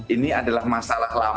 ini adalah masalah lama